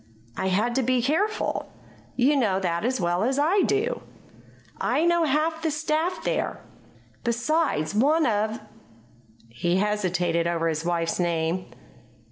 "I had to be careful. You know that as well as I do. I know half the staff there. Besides, one of " He hesitated over his wife's name.